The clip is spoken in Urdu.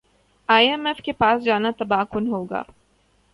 ئی ایم ایف کے پاس جانا تباہ کن ہوگا